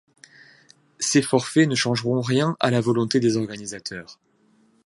Ces forfaits ne changeront rien à la volonté des organisateurs.